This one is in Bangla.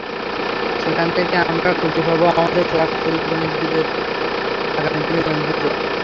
যেখান থেকে আমরা খুঁজে পাব আমাদের সেরা খুদে গণিতবিদদের, আগামী দিনের গণিতবিদদের।